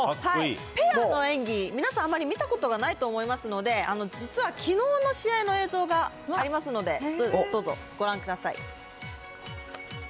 ペアの演技、皆さん、あんまり見たことないと思いますので、実はきのうの試合の映像がありますので、どうぞ、ご覧ください。